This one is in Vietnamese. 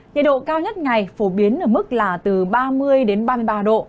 nhiệt độ cao nhất ngày phổ biến ở mức là từ ba mươi đến ba mươi ba độ